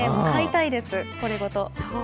買いたいです、これごと。